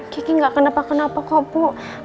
kiki gak kenapa kenapa kok bu